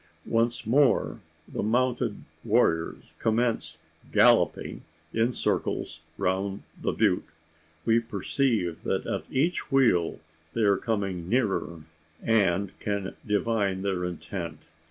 Once more the mounted warriors commence galloping in circles round the butte. We perceive that at each wheel they are coming nearer, and can divine their intent.